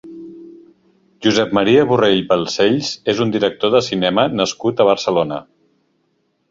Josep Maria Borrell Balsells és un director de cinema nascut a Barcelona.